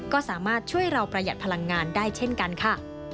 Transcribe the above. ก็สามารถช่วยเราประหยัดพลังงานได้เช่นกันค่ะ